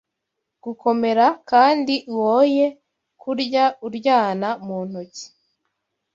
gukomera kandi woye kurya uryana mu ntoki